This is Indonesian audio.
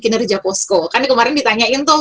kinerja posko kan kemarin ditanyain tuh